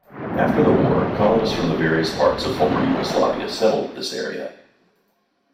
After the war, colonists from various parts of former Yugoslavia settled this area.